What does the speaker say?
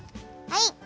はい！